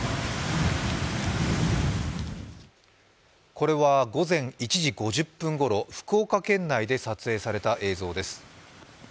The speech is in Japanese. これは午前１時５０分ごろ、福岡県内で撮影された映像です。